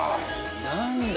何だ？